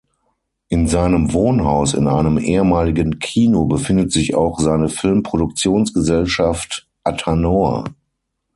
In seinem Wohnhaus in einem ehemaligen Kino befindet sich auch seine Filmproduktionsgesellschaft Athanor.